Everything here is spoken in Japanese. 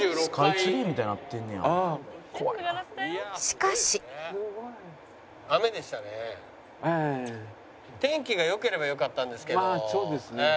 「しかし」天気が良ければよかったんですけど。